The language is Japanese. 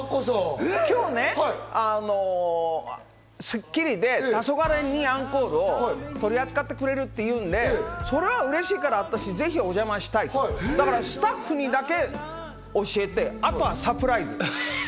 今日ね、『スッキリ』で『黄昏にアンコール』を取り扱ってくれるっていうんで、そりゃ嬉しいから、私ぜひお邪魔したいと、スタッフにだけ教えて、あとはサプライズ。